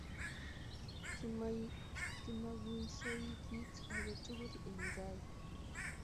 Kimakuisoi kit ake tukul eng' tai